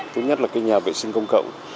thứ nhất là cái nhà vệ sinh công cộng